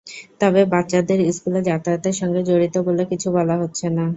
তবে বাচ্চাদের স্কুলে যাতায়াতের সঙ্গে জড়িত বলে কিছু বলা হচ্ছে না।